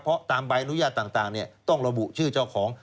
เพราะตามใบอนุญาตต่างต้องระบุชื่อเจ้าของ